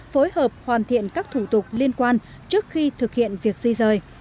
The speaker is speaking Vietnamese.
phối hợp hoàn thiện các thủ tục liên quan trước khi thực hiện việc di rời